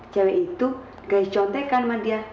cewek itu ga iscontek kan sama dia